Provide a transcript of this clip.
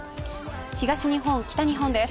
東日本、北日本です。